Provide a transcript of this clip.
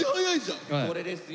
これですよ